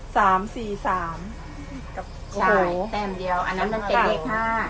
สามสี่สามใช่แต้มเดียวอันนั้นเป็นเลขห้า